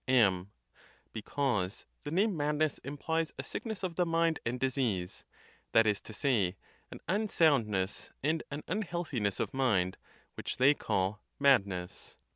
M. Because the name madness' implies a sickness of the mind and disease; that is to say, an unsoundness and an unhealthiness of mind, which they call madness.